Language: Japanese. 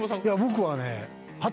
僕はね。